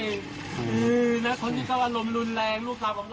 อื้อนักคนนี้ก็อารมณ์รุนแรงลูกตาผมรอด